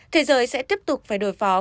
thế giới sẽ tiếp tục phải đối phó